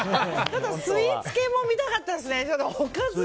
ただ、スイーツ系も見たかったですね。